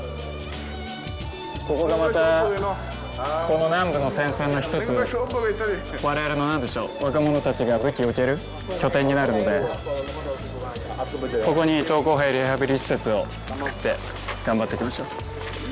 ここがまたこの南部の戦線の一つ我々の何でしょう若者たちが武器を置ける拠点になるのでここに投降兵リハビリ施設を作って頑張っていきましょう